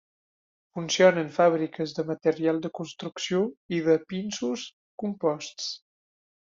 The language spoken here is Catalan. Funcionen fàbriques de material de construcció i de pinsos composts.